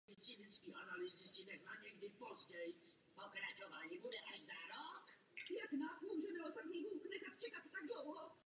Navíc Smith ztrácel podporu i od Jižní Afriky.